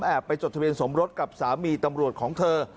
ไปจดทะเบียนสมรสกับสามีตำรวจของเธอ